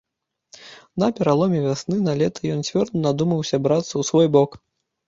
На пераломе вясны на лета ён цвёрда надумаўся брацца ў свой бок.